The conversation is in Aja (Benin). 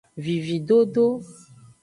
Vividodo.